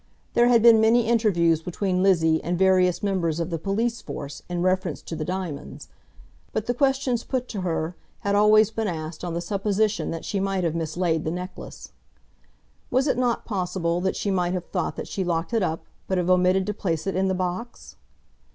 There had been many interviews between Lizzie and various members of the police force in reference to the diamonds, but the questions put to her had always been asked on the supposition that she might have mislaid the necklace. Was it not possible that she might have thought that she locked it up, but have omitted to place it in the box?